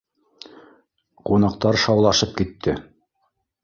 Ҡунаҡтар шаулашып китте